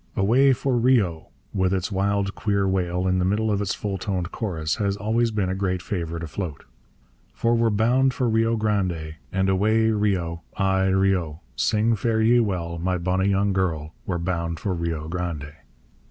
Away for Rio! with its wild, queer wail in the middle of its full toned chorus, has always been a great favourite afloat: For we're bound for Rio Grande, And away Rio! ay Rio! Sing fare ye well, my bonny young girl, We're bound for Rio Grande.